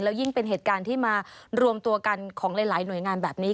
ยิ่งเป็นเหตุการณ์ที่มารวมตัวกันของหลายหน่วยงานแบบนี้